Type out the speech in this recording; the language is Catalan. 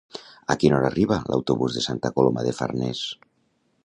A quina hora arriba l'autobús de Santa Coloma de Farners?